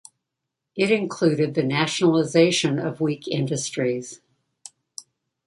It included the nationalisation of weak industries.